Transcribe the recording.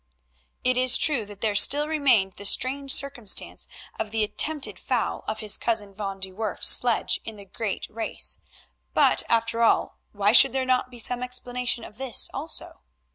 It is true that there still remained the strange circumstance of the attempted foul of his cousin Van de Werff's sledge in the great race, but, after all, why should there not be some explanation of this also?